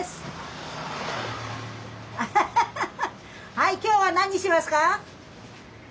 はい今日は何にしますか？